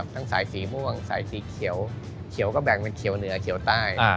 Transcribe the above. สายสีม่วงสายสีเขียวเขียวก็แบ่งเป็นเขียวเหนือเขียวใต้